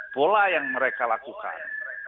pola yang mereka lakukan